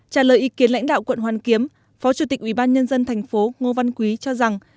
trả lời ý kiến lãnh đạo quận hoàn kiếm phó chủ tịch ubnd thành phố ngô văn quý cho rằng